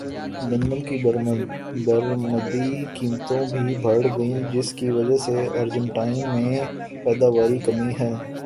گندم کی برمدی قیمتیں بھی بڑھ گئیں جس کی وجہ سے ارجنٹائن میں پیداواری کمی ہے